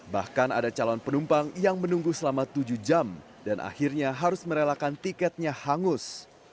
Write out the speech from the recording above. bahkan ada calon penumpang yang menunggu selama tujuh jam dan akhirnya harus merelakan tiketnya hangus